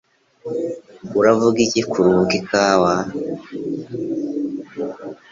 Uravuga iki kuruhuka ikawa?